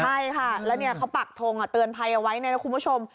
ใช่ค่ะแล้วเขาปักทงเตือนภัยเอาไว้เนี่ยนะคุณผู้ชม